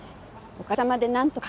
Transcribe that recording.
おかげさまでなんとか。